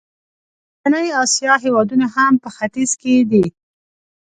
منځنۍ اسیا هېوادونه هم په ختیځ کې دي.